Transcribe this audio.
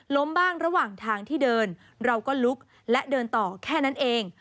บ้างระหว่างทางที่เดินเราก็ลุกและเดินต่อแค่นั้นเอง